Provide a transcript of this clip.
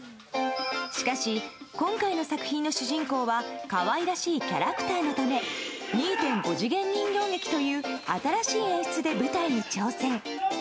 しかし今回の作品の主人公は可愛らしいキャラクターのため２．５次元人形劇という新しい演出で舞台に挑戦。